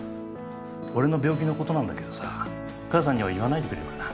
俺の病気のことなんだけどさ、母さんには言わないでくれるかな。